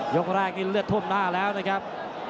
ยกแรกนี่เลือดท่วมหน้าแล้วนะครับ